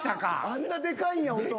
あんなでかいんや音。